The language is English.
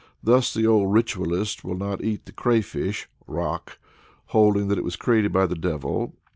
Thus the Old Ritualists will not eat the crayfish (rak), holding that it was created by the Devil.